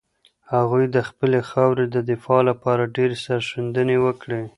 هغوی د خپلې خاورې د دفاع لپاره ډېرې سرښندنې وکړې.